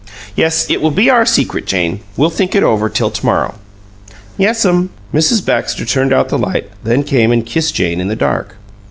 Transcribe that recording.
Yes, it will be our secret, Jane. We'll think it over till to morrow." "Yes'm." Mrs. Baxter turned out the light, then came and kissed Jane in the dark.